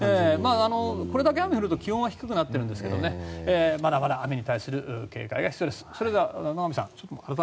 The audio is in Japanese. これだけ雨が降ると気温は低くなっているんですがまだまだ雨に対する警戒が必要です。